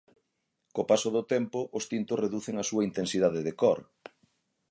Co paso do tempo os tintos reducen a súa intensidade de cor.